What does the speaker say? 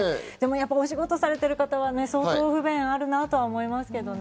お仕事されてる方は相当不便があるなと思いますけどね。